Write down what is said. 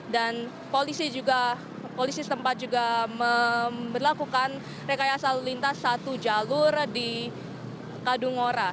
dan polisi juga polisi setempat juga melakukan rekayasa lalu lintas satu jalur di kadung ora